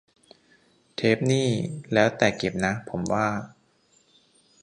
เทปนี่แล้วแต่เก็บนะ ผมว่า